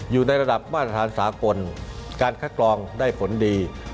อยู่ในระดับมาตรฐานสากลการคัดกรองได้ผลดี